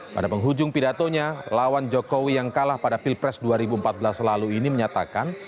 pada penghujung pidatonya lawan jokowi yang kalah pada pilpres dua ribu empat belas lalu ini menyatakan